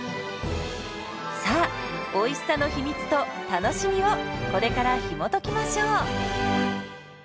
さあおいしさの秘密と楽しみをこれからひもときましょう。